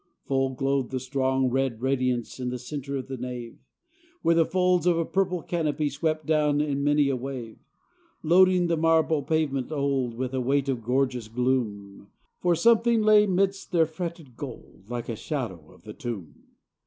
Full glowed the strong red radiance In the center of the nave, Where the folds of a purple canopy Swept down in many a wave, Loading the marble pavement old With a weight of gorgeous gloom; For something lay midst their fretted gold. Like a shadow of the tomb.